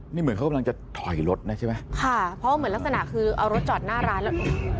นี่เหมือนเขากำลังจะถอยรถนะใช่ไหมค่ะเพราะว่าเหมือนลักษณะคือเอารถจอดหน้าร้านแล้ว